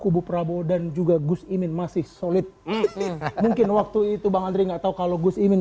kubu prabowo dan juga gus imin masih solid mungkin waktu itu bang andri enggak tahu kalau gus imin